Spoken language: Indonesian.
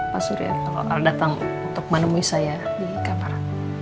pak surya datang untuk menemui saya di kamar